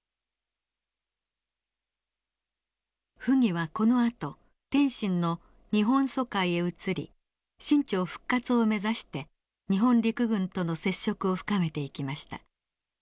溥儀はこのあと天津の日本租界へ移り清朝復活を目指して日本陸軍との接触を深めていきました。